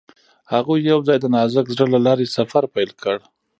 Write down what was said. هغوی یوځای د نازک زړه له لارې سفر پیل کړ.